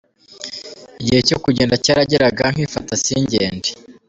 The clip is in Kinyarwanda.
Igihe cyo kugenda cyarageraga nkifata singende.